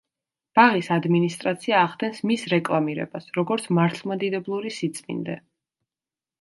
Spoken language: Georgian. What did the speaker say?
ბაღის ადმინისტრაცია ახდენს მის რეკლამირებას, როგორც მართლმადიდებლური სიწმინდე.